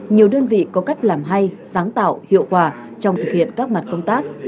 nhiều đơn vị có cách làm hay sáng tạo hiệu quả trong thực hiện các mặt công tác